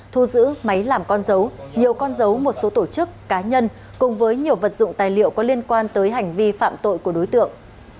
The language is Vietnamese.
thu giữ máy làm con dấu nhiều con dấu một số tổ chức cá nhân cùng với nhiều vật dụng tài liệu có liên quan tới hành vi phạm tội của đối tượng